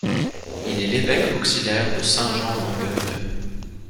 Il est l'évêque auxiliaire de Saint-Jean–Longueuil.